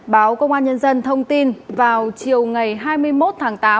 báo công an nhân dân thông tin vào chiều ngày hai mươi một tháng tám